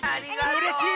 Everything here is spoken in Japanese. うれしい！